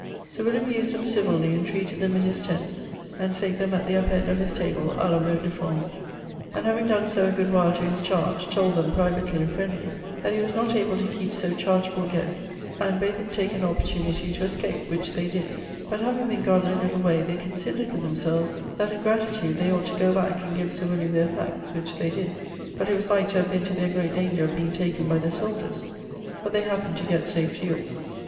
Sir William used them civilly, and treated them in his tent, and sate them at the upper end of his table à la mode de France, and having donne so a good while to his chardge, told them (privately and friendly) that he was not able to keepe so chargeable guests, and bad them take an opportunity to escape, which they did; but having been gon a little way they considered with themselves that in gratitude they ought to goe back and give Sir William their thankes; which they did, but it was like to have been to their great danger of being taken by the soldiers; but they happened to gett safe to Yorke.